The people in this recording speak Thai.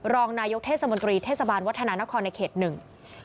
รองนายกเทศมนตรีเทศบาลวัฒนานครในเขตหนึ่ง